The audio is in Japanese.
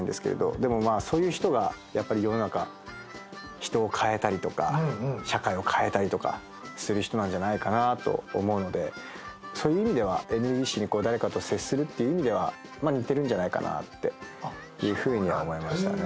でもそういう人がやっぱり世の中人を変えたりとか社会を変えたりとかする人なんじゃないかなと思うのでそういう意味ではエネルギッシュに誰かと接するという意味では似てるんじゃないかなっていうふうには思いましたね。